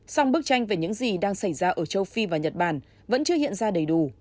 song bức tranh về những gì đang xảy ra ở châu phi và nhật bản vẫn chưa hiện ra đầy đủ